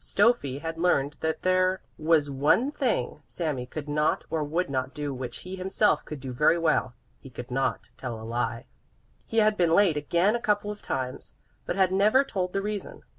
Stöffi had learned that there was one thing Sami could not or would not do which he himself could do very well: he could not tell a lie. He had been late again a couple of times, but had never told the reason.